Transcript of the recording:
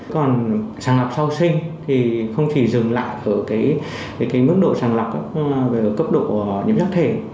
còn sàng lọc sau sinh thì không chỉ dừng lại ở mức độ sàng lọc về cấp độ nhiễm chất thể